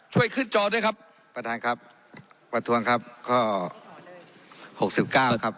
ช่วยขึ้นจอด้วยครับประธานครับประท้วงครับข้อหกสิบเก้าครับ